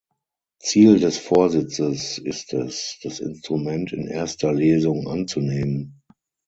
Ziel des Vorsitzes ist es, das Instrument in erster Lesung anzunehmen.